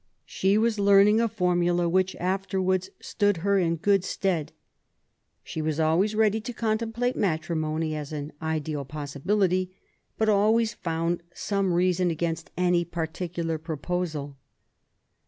She was learning a formula which afterwards stood in her good stead. She was always ready to contemplate matrimony as an ideal possi '■bility, but s^ays found some reason against any ^particular proposal.